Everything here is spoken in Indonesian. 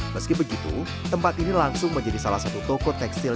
meski begitu tempat ini langsung menjadi salah satu toko tekstil